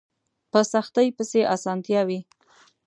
په سختۍ پسې اسانتيا وي